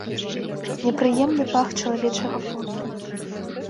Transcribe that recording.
Непрыемны пах чалавечага поту.